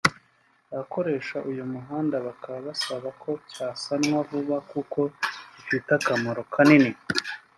abakoreshaga uyu muhanda bakaba basaba ko cyasanwa vuba kuko kibafitiye akamaro kanini